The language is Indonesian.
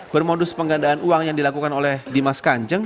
bermodus penggandaan uang yang dilakukan oleh dimas kanjeng